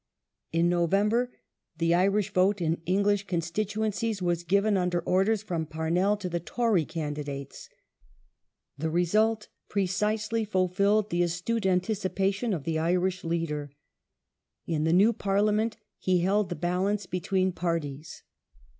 ^ In November the Irish vote in English constituencies was given, under orders from Parnell, to the Tory candidates. The result precisely fulfilled the astute anticipation of the Irish leader. In the new Parliament he held the balance between parties.